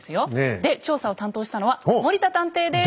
で調査を担当したのは森田探偵です。